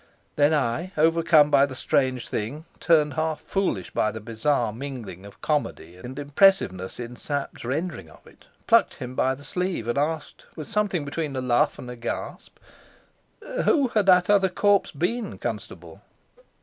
Then I, overcome by the strange thing, turned half foolish by the bizarre mingling of comedy and impressiveness in Sapt's rendering of it, plucked him by the sleeve, and asked, with something between a laugh and a gasp: "Who had that other corpse been, Constable?"